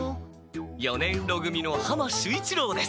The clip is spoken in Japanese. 四年ろ組の浜守一郎です。